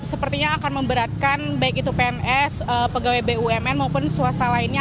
sepertinya akan memberatkan baik itu pns pegawai bumn maupun swasta lainnya